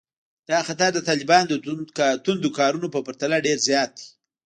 دا خطر د طالبانو د توندو کارونو په پرتله ډېر زیات دی